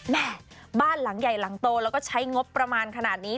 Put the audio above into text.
แม่บ้านหลังใหญ่หลังโตแล้วก็ใช้งบประมาณขนาดนี้